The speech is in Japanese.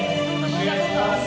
お願いします。